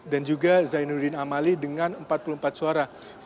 dan juga zainuddin amali dengan empat puluh empat suara